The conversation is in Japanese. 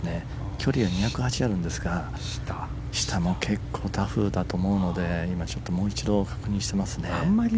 距離は２０８あるんですが下も結構タフだと思うので今もう一度確認してみます。